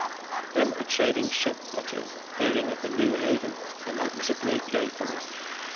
Then a trading ship put in, hearing of the new haven, and that was a great day for us.